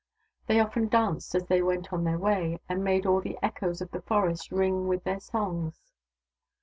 They often danced as they went on their way, and made all the echoes of the forest ring with their songs.